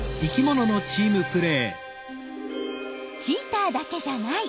チーターだけじゃない。